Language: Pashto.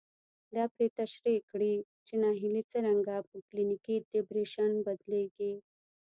دا پرې تشرېح کړي چې ناهيلي څرنګه په کلينيکي ډېپريشن بدلېږي.